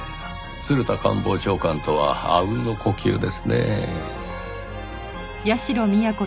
鶴田官房長官とは阿吽の呼吸ですねぇ。